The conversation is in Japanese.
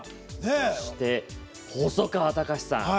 そして、細川たかしさん。